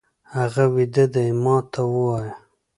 هغه ويده دی، ما ته ووايه!